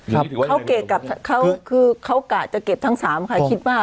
เขาเกะกับเขาคือเขากะจะเก็บทั้งสามค่ะคิดว่า